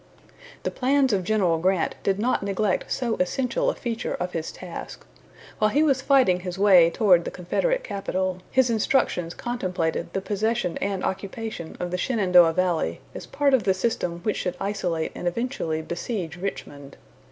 The plans of General Grant did not neglect so essential a feature of his task. While he was fighting his way toward the Confederate capital, his instructions contemplated the possession and occupation of the Shenandoah valley as part of the system which should isolate and eventually besiege Richmond.